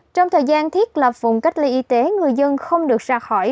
trong thời gian thiết lập vùng cách ly y tế người dân không được ra khỏi